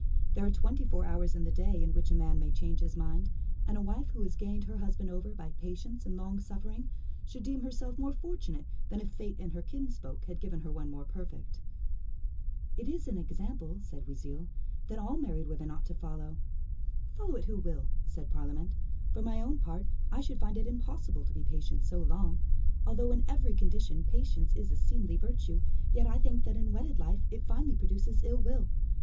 There are twenty four hours in the day in which a man may change his mind, and a wife who has gained her husband over by patience and longsuffering should deem herself more fortunate than if fate and her kinsfolk had given her one more perfect." "It is an example," said Oisille, "that all married women ought to follow." "Follow it who will," said Parlamente; "for my own part, I should find it impossible to be patient so long. Although in every condition patience is a seemly virtue, yet I think that in wedded life it finally produces ill will.